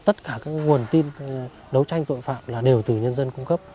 tất cả các nguồn tin đấu tranh tội phạm là đều từ nhân dân cung cấp